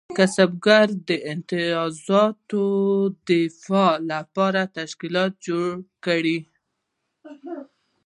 کسبګرو د امتیازاتو د دفاع لپاره تشکیلات جوړ کړل.